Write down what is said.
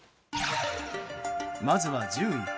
まずは１０位。